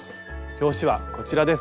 表紙はこちらです。